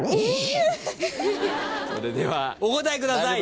それではお答えください。